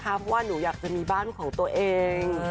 เพราะว่าหนูอยากจะมีบ้านของตัวเอง